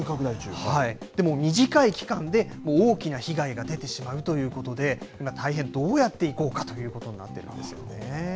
短い期間で大きな被害が出てしまうということで、大変、どうやっていこうかということになっているんですよね。